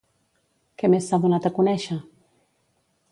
Què més s'ha donat a conèixer?